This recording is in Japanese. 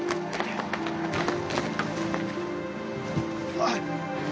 おい！